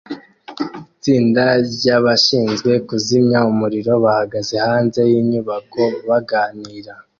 Itsinda ryabashinzwe kuzimya umuriro bahagaze hanze yinyubako baganira